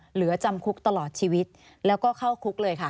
เหลือจำคุกตลอดชีวิตแล้วก็เข้าคุกเลยค่ะ